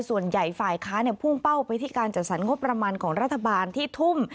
ฝ่ายค้าพุ่งเป้าไปที่การจัดสรรงบประมาณของรัฐบาลที่ทุ่ม